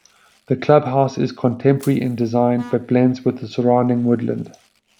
The clubhouse is contemporary in design, but blends with the surrounding woodland.